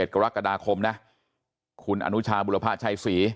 กรกฎาคมนะคุณอนุชาบุรพะชัยศรี